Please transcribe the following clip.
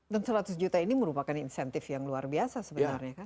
dan seratus juta ini merupakan insentif yang luar biasa sebenarnya kan